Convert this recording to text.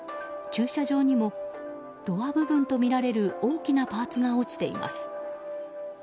駐車場にもドア部分とみられる大きなパーツが落ちています。